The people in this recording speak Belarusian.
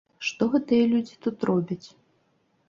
Што гэтыя людзі тут робяць?